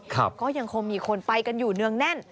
ก็ยังคงมีคนไปกันอยู่เนืองแน่น